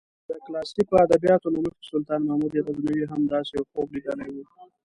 د کلاسیکو ادبیاتو له مخې سلطان محمود غزنوي هم داسې یو خوب لیدلی و.